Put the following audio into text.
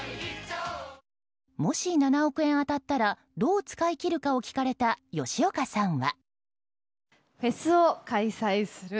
もし７億円当たったらどう使い切るかを聞かれた吉岡さんは。